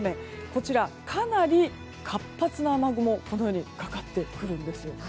こちら、かなり活発な雨雲かかってくるんです。